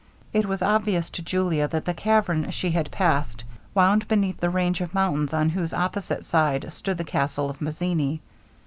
It was obvious to Julia that the cavern she had passed wound beneath the range of mountains on whose opposite side stood the castle of Mazzini.